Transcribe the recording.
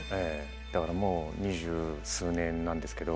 だからもう二十数年なんですけど。